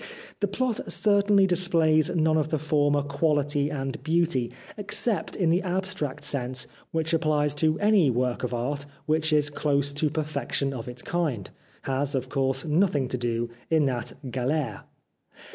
The plot certainly displays none of the former quality and beauty, except in the abstract sense which applies to any work of art 329 The Life of Oscar Wilde which is close to perfection of its kind, has, of course, nothing to do, in that galere.